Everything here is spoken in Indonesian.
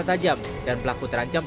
lantaran diperlukan untuk menjaga keamanan